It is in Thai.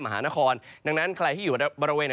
มหานครดังนั้นใครที่อยู่บริเวณ